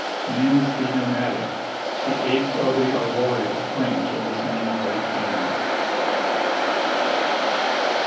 Man is the nomadic, the apes are the arboreal, branch of the same great family.